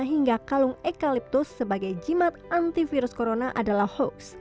hingga kalung ekaliptus sebagai jimat antivirus corona adalah hoax